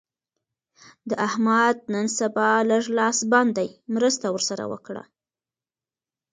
د احمد نن سبا لږ لاس بند دی؛ مرسته ور سره وکړه.